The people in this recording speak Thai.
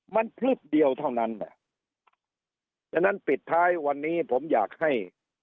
มันพลึบเดียวเท่านั้นอ่ะฉะนั้นปิดท้ายวันนี้ผมอยากให้